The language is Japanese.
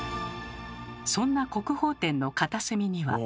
そんな国宝展の片隅には。